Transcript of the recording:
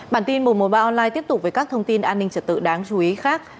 bản tin một trăm một mươi ba online tiếp tục với các thông tin an ninh trật tự đáng chú ý khác